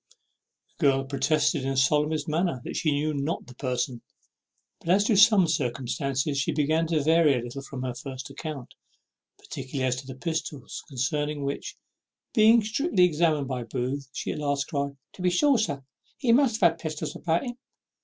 The girl protested in the solemnest manner that she knew not the person; but as to some circumstances she began to vary a little from her first account, particularly as to the pistols, concerning which, being strictly examined by Booth, she at last cried "To be sure, sir, he must have had pistols about him."